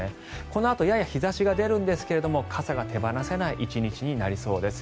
このあとやや日差しが出るんですが傘が手放せない１日になりそうです。